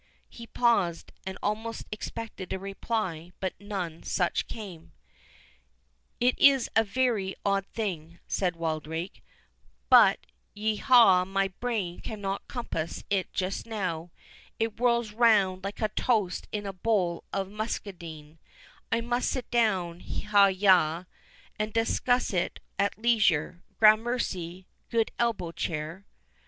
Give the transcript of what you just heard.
He paused, and almost expected a reply, but none such came. "It is a very odd thing," said Wildrake; "but—yaw ha—my brain cannot compass it just now; it whirls round like a toast in a bowl of muscadine; I must sit down—haw yaw—and discuss it at leisure— Gramercy, good elbow chair."